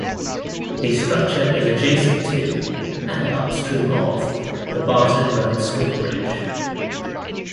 The structure is adjacent to, and upstream of, the Barton Road Swing Bridge.